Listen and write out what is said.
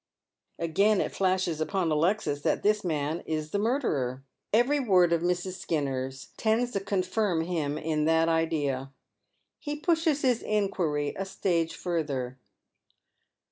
Again it flashes upon Alexis that this man is the murderer. Every word of IMrs. Skinner's tends to confirm him in that idea, He pushes his inquiry a stage further.